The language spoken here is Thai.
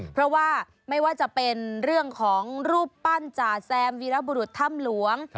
เพราะว่าไม่ว่าจะเป็นเรื่องของรูปปั้นจ่าแซมวีรบุรุษถ้ำหลวง